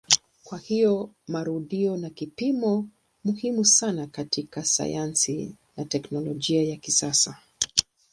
Kwa hiyo marudio ni kipimo muhimu sana katika sayansi na teknolojia ya kisasa.